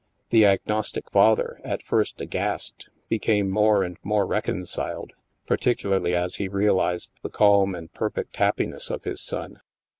The agnostic father, at first aghast, became more and more reconciled, particularly as he realized the calm and perfect happiness of his son.